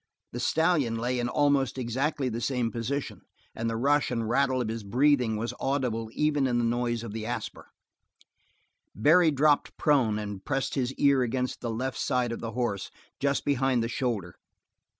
The stallion lay in almost exactly the same position, and the rush and rattle of his breathing was audible even in the noise of the Asper; Barry dropped prone and pressed his ear against the left side of the horse, just behind the shoulder.